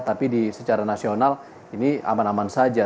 tapi secara nasional ini aman aman saja